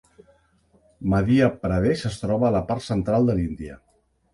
Madhya Pradesh es troba a la part central de l'Índia.